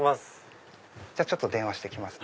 ちょっと電話してきますね。